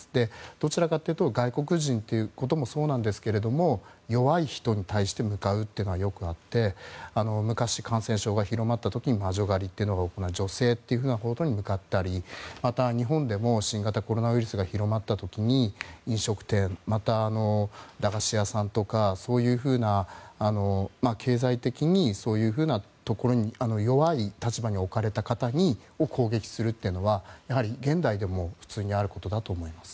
どちらかというと外国人もそうなんですけれども弱い人に対して向かうというのがよくあって昔、感染症が広まった時に魔女狩りというのが行われ女性に向かったりまた、日本でも新型コロナウイルスが広まった時に飲食店、駄菓子屋さんとか経済的に弱い立場に置かれた方を攻撃するというのはやはり現代でも普通にあることだと思います。